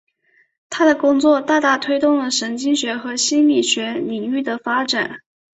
他的工作大大推动了神经学和心理学领域的发展。